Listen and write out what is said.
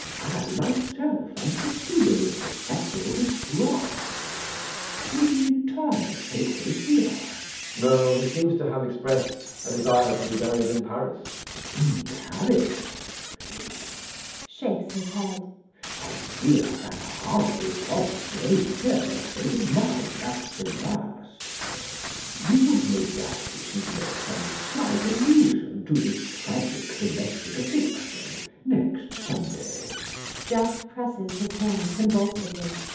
I myself am peculiarly susceptible to draughts. Will the interment take place here? JACK. No. He seems to have expressed a desire to be buried in Paris. CHASUBLE. In Paris! [Shakes his head.] I fear that hardly points to any very serious state of mind at the last. You would no doubt wish me to make some slight allusion to this tragic domestic affliction next Sunday. [Jack presses his hand convulsively.